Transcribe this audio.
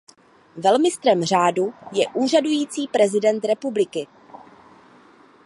Velmistrem řádu je úřadující prezident republiky.